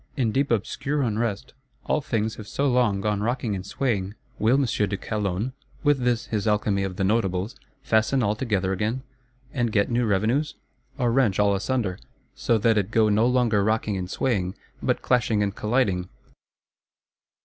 In deep obscure unrest, all things have so long gone rocking and swaying: will M. de Calonne, with this his alchemy of the Notables, fasten all together again, and get new revenues? Or wrench all asunder; so that it go no longer rocking and swaying, but clashing and colliding?